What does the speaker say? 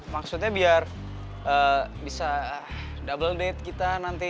maksudnya biar bisa double date kita nanti